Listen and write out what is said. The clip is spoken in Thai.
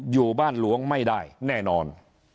อยู่บ้านหลวงไม่ได้แน่นอน